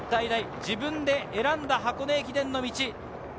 自分で選んだ箱根駅伝の道。